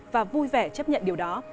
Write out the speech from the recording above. và vui vẻ chấp nhận điều đó